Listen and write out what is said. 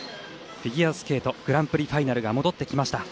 フィギュアスケートグランプリファイナルが戻ってきました。